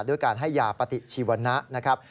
ด้วยการให้ยาปฏิชีวนะนะครับ